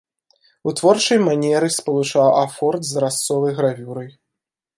У творчай манеры спалучаў афорт з разцовай гравюрай.